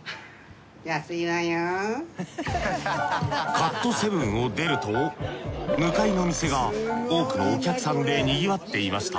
カットセブンを出ると向かいのお店が多くのお客さんで賑わっていました。